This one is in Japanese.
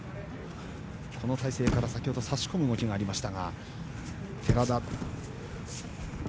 この体勢から先ほど差し込む動きがありました。